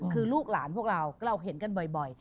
คือลูกหลานพวกเราเราเห็นกันบ่อย